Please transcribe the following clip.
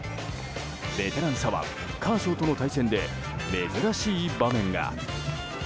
ベテラン左腕カーショーとの対戦で珍しい場面が。